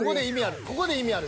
ここで意味ある。